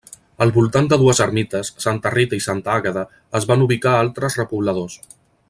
Al voltant de dues ermites, santa Rita i santa Àgueda, es van ubicar altres repobladors.